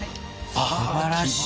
すばらしい。